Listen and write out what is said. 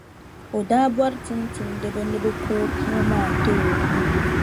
O daa bɔri tumtumdiba ni bɛ ko o puu maa n-ti o.